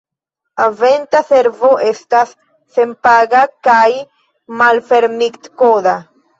Eventa Servo estas senpaga kaj malfermitkoda.